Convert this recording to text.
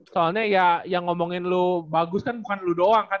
soalnya ya yang ngomongin lu bagus kan bukan lo doang kan